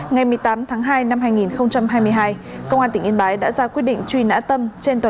ngày một mươi tám tháng hai năm hai nghìn hai mươi hai công an tỉnh yên bái đã ra quyết định truy nã tâm